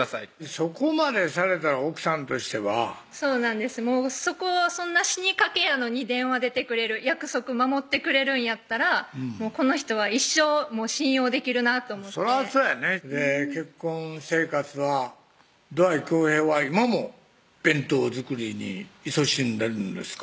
そこまでされたら奥さんとしてはそうなんですそんな死にかけやのに電話出てくれる約束守ってくれるんやったらこの人は一生信用できるなと思ってそらそうやねほいで結婚生活は土合恭平は今も弁当作りにいそしんでるんですか？